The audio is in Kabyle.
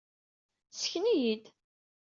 Ssken-iyi-d.